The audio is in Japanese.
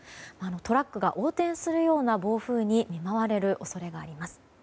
トラックが横転するような暴風に見舞われる恐れがあります。